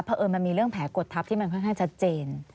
เพราะเอิญมันมีเรื่องแผลกดทัพที่มันค่อนข้างชัดเจน